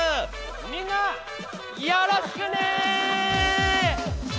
みんなよろしくね！